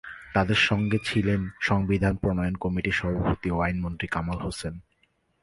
তাঁদের সঙ্গে ছিলেন সংবিধান প্রণয়ন কমিটির সভাপতি ও আইনমন্ত্রী কামাল হোসেন।